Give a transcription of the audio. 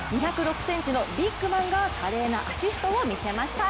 ２０６ｃｍのビッグマンが華麗なアシストを見せました。